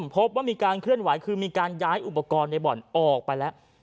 พบว่ามีการเคลื่อนไหวคือมีการย้ายอุปกรณ์ในบ่อนออกไปแล้ว